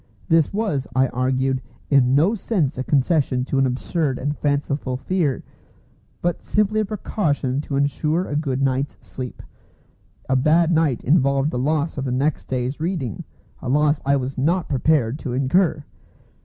This was, I argued, in no sense a concession to an absurd and fanciful fear, but simply a precaution to ensure a good night's sleep. A bad night involved the loss of the next day's reading, a loss I was not prepared to incur.